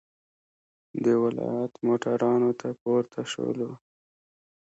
د ولایت موټرانو ته پورته شولو.